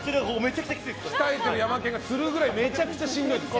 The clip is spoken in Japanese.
鍛えてるヤマケンがつるくらいめちゃくちゃしんどい。